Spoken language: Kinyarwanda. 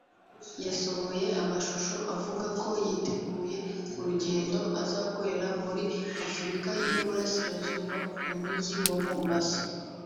yasohoye amashusho avuga ko ‘yiteguye urugendo azakorera muri Afurika y’Uburasirazuba mu Mujyi wa Mombasa’